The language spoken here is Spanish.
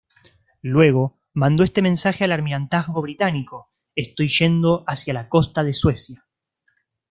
Luego, mandó este mensaje al Almirantazgo Británico: "Estoy yendo hacia la costa de Suecia".